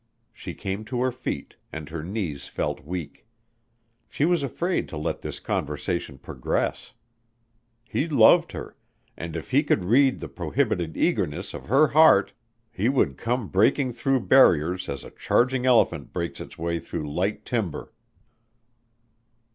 She came to her feet, and her knees felt weak. She was afraid to let this conversation progress. He loved her and if he could read the prohibited eagerness of her heart he would come breaking through barriers as a charging elephant breaks its way through light timber.